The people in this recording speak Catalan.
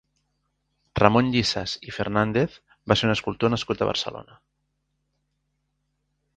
Ramon Llisas i Fernàndez va ser un escultor nascut a Barcelona.